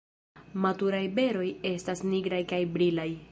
Maturaj beroj estas nigraj kaj brilaj.